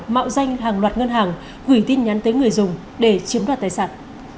mạo danh hàng loạt ngân hàng gửi tin nhắn tới người dùng để chiếm đoạt tài sản